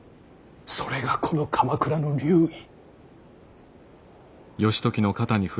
それがこの鎌倉の流儀。